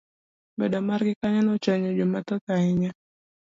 Bedo margi kanyo nochwayo jo mathoth ahinya.